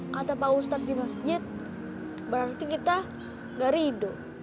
kata pak ustadz di masjid berarti kita gak ridho